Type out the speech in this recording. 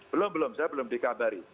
belum belum saya belum dikabari